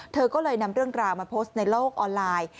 เธอก็เลยนำเรื่องราวมาโพสต์ในโลกออนไลน์